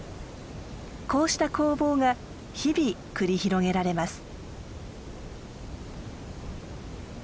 こうした攻防が日々繰り広げられます。